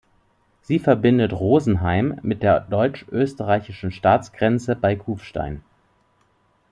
Sie verbindet Rosenheim mit der deutsch-österreichischen Staatsgrenze bei Kufstein.